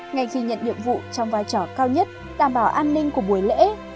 ngay khi nhận nhiệm vụ trong vai trò cao nhất đảm bảo an ninh của buổi lễ